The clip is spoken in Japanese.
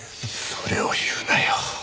それを言うなよ。